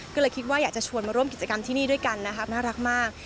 ก็เลยคิดว่าอยากจะชวนมาร่วมกิจกรรมที่นี่ด้วยกันนะครับน่ารักมาก